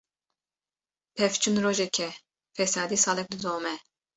Pevçûn rojekê, fesadî salek didome.